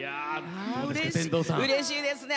うれしいですね。